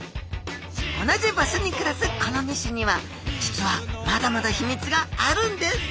同じ場所に暮らすこの２種には実はまだまだ秘密があるんです。